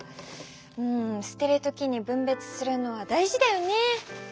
うんすてる時にぶんべつするのは大事だよね。